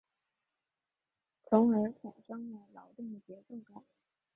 从而产生了劳动的节奏感。